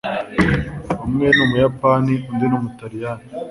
umwe ni umuyapani undi ni umutaliyani